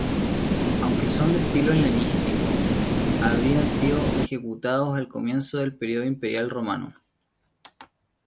Aunque son de estilo helenístico, habrían sido ejecutados al comienzo del periodo imperial romano.